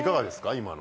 今の。